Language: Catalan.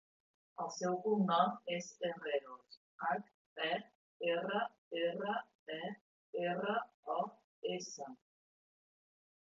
El seu cognom és Herreros: hac, e, erra, erra, e, erra, o, essa.